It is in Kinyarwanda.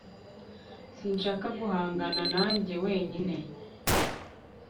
sinshaka guhangana na njye wenyine